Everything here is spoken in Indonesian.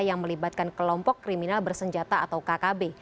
yang melibatkan kelompok kriminal bersenjata atau kkb